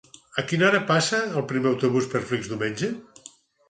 A quina hora passa el primer autobús per Flix diumenge?